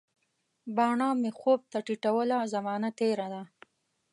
باڼه مي خوب ته ټیټوله، زمانه تیره ده